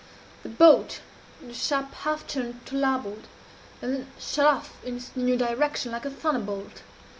The boat made a sharp half turn to larboard, and then shot off in its new direction like a thunderbolt.